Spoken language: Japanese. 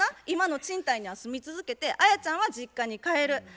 今の賃貸には住み続けてアヤちゃんは実家に帰る。